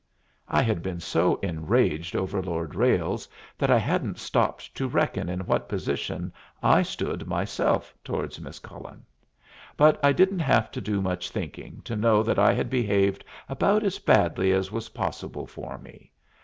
I had been so enraged over Lord Ralles that I hadn't stopped to reckon in what position I stood myself towards Miss Cullen, but I didn't have to do much thinking to know that I had behaved about as badly as was possible for me.